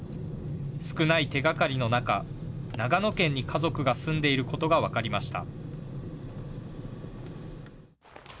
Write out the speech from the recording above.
少ない手がかりの中、長野県に家族が住んでいることが分かりました。